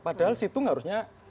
padahal situng harusnya